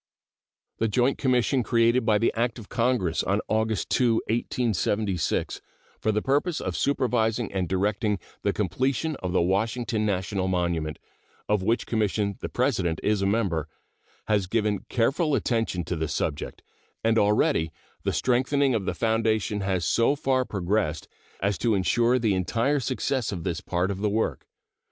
The joint commission created by the act of Congress of August 2, 1876, for the purpose of supervising and directing the completion of the Washington National Monument, of which commission the President is a member, has given careful attention to this subject, and already the strengthening of the foundation has so far progressed as to insure the entire success of this part of the work.